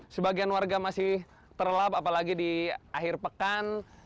sebagian warga masih terelap apalagi di akhir pekan